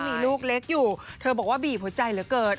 มีลูกเล็กอยู่เธอบอกว่าบีบหัวใจเหลือเกิน